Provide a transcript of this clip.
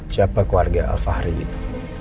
siapa keluarga al fahri itu